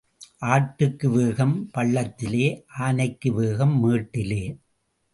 ஆட்டுக்கு வேகம் பள்ளத்திலே ஆனைக்கு வேகம் மேட்டிலே.